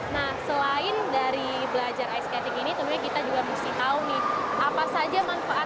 nah selain dari belajar ice skating ini tentunya kita juga mesti tahu nih apa saja manfaat